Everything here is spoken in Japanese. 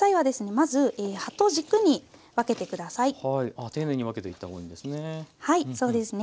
あ丁寧に分けていった方がいいんですね。